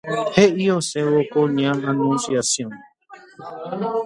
He'i osẽvo ko ña Anunciación